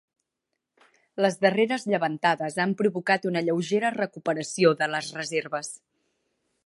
Les darreres llevantades han provocat una lleugera recuperació de les reserves.